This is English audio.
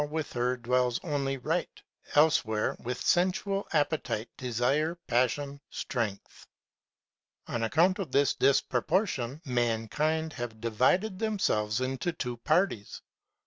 with her dwells only right ; elsewhere, M'ith sensual appetite, desire, passion, strength. On account of this disproportion, mankind have divided themselves into two parties.